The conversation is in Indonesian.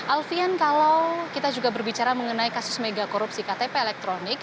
alfian kalau kita juga berbicara mengenai kasus megakorupsi ktp elektronik